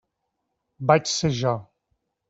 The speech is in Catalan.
Vaig ser jo.